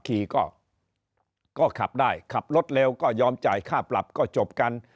ขี่ก็ขับได้ขับรถเร็วก็ยอมจ่ายค่าปรับก็จบกัน